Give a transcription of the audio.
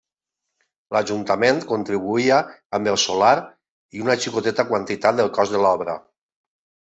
L’Ajuntament contribuïa amb el solar i una xicoteta quantitat del cost de l’obra.